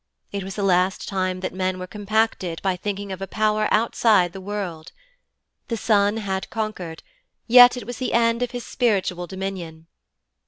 It was the last time that men were compacted by thinking of a power outside the world. The sun had conquered, yet it was the end of his spiritual dominion.